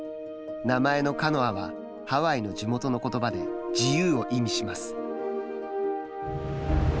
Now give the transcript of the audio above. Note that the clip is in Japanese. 名前のカノアはハワイの地元のことばで自由を意味します。